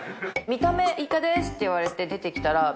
「イカです」って言われて出てきたら△